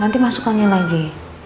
nanti masuk lagi